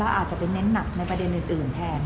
อาจจะไปเน้นหนักในประเด็นอื่นแทน